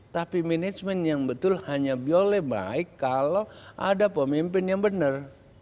tapi manajemen yang betul hanya boleh baik kalau ada pemimpin yang benar